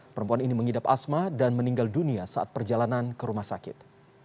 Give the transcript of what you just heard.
perempuan ini mengidap asma dan meninggal dunia saat perjalanan ke rumah sakit